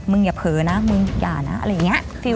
อย่าเผลอนะมึงอย่านะอะไรอย่างนี้